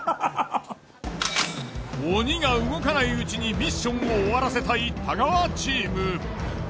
鬼が動かないうちにミッションを終わらせたい太川チーム。